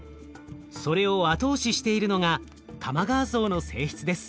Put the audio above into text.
それを後押ししているのが玉川層の性質です。